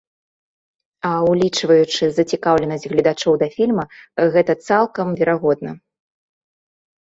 А ўлічваючы зацікаўленасць гледачоў да фільма, гэта цалкам верагодна.